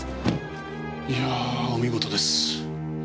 いやーお見事です。